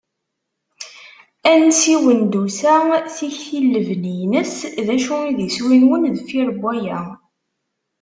Ansi i awen-d-tusa tikti n lebni-ines? D acu i d iswi-nwen deffir waya?